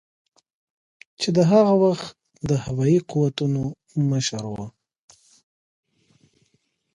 چې د هغه وخت د هوایي قوتونو مشر ؤ